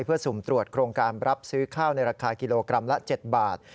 เพื่อสุ่มตรวจโครงการรับซื้อข้าวในราคากิโลกรัมละ๗บาท